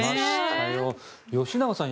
吉永さん